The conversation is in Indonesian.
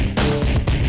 nggak akan ngediam nih